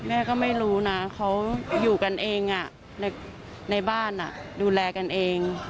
แม่ก็ไม่รู้นะเขาอยู่กันเองในบ้านดูแลกันเอง